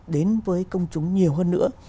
đến với công chúng nhiều hơn nữa